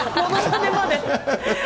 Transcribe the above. ものまねまで。